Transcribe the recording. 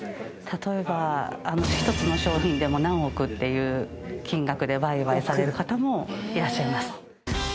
例えば１つの商品でも何億っていう金額で売買される方もいらっしゃいます。